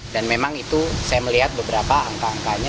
dan memang itu saya melihat beberapa angka angkanya